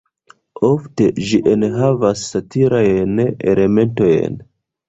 Ofte ĝi enhavas satirajn elementojn.